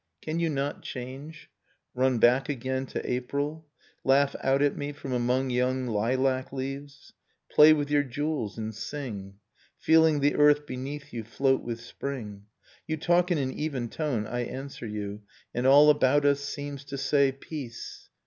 Can you not change? ... Run back again to April? Laugh out at me from among young lilac leaves ?... Play with your jewels, and sing! FeeUng the earth beneath you float with spring! ... You talk in an even tone, I answer you; And all about us seems to say Peace .